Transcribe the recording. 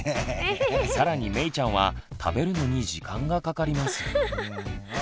更にめいちゃんは食べるのに時間がかかります。